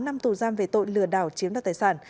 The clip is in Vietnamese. một mươi bốn năm tù giam về tội lừa đảo chiếm đoạt tài sản